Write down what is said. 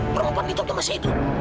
perempuan itu udah masih hidup